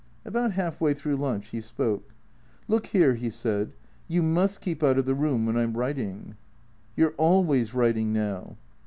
About half way through lunch he spoke. " Look here," he said, " you must keep out of the room when I 'm writing." " You 're always writing now."